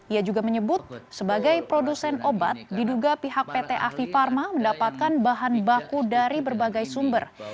ia juga menyebut sebagai produsen obat diduga pihak pt afifarma mendapatkan bahan baku dari berbagai sumber